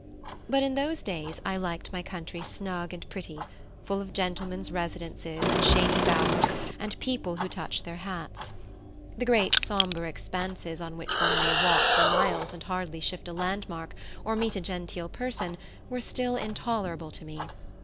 But in those days I liked my country snug and pretty, full of gentlemen's residences and shady bowers and people who touch their hats. The great sombre expanses on which one may walk for miles and hardly shift a landmark or meet a genteel person were still intolerable to me.